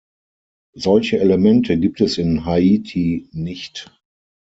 Solche Elemente gibt es in Haiti nicht.